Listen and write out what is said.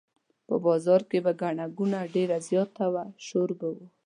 په بازار کې به ګڼه ګوڼه ډېره زیاته وه شور به و.